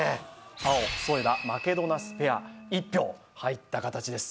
青添田・マケドナスペア１票入った形です